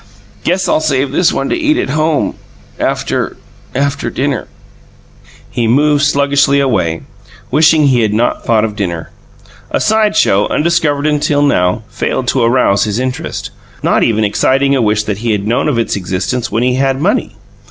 "Guess I'll save this one to eat at home, after after dinner." He moved sluggishly away, wishing he had not thought of dinner. A side show, undiscovered until now, failed to arouse his interest, not even exciting a wish that he had known of its existence when he had money.